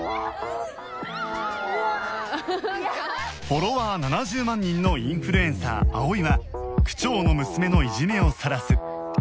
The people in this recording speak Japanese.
フォロワー７０万人のインフルエンサー葵は区長の娘のいじめをさらす